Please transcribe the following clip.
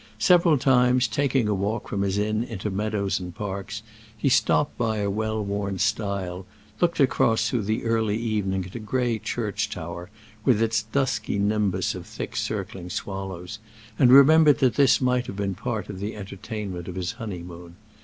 Several times, taking a walk from his inn into meadows and parks, he stopped by a well worn stile, looked across through the early evening at a gray church tower, with its dusky nimbus of thick circling swallows, and remembered that this might have been part of the entertainment of his honeymoon.